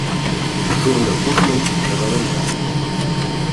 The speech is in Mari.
Шурно кушмым шагалемда.